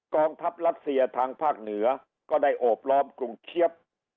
กองทัพรัสเซียทางภาคเหนือก็ได้โอบล้อมกรุงเชียบ